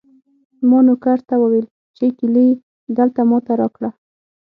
ما نوکر ته وویل چې کیلي دلته ما ته راکړه.